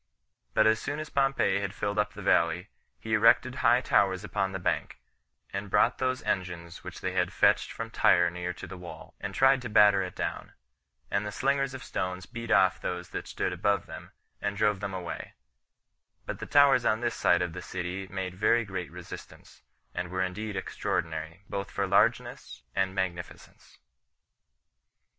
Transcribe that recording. But as soon as Pompey had filled up the valley, he erected high towers upon the bank, and brought those engines which they had fetched from Tyre near to the wall, and tried to batter it down; and the slingers of stones beat off those that stood above them, and drove them away; but the towers on this side of the city made very great resistance, and were indeed extraordinary both for largeness and magnificence.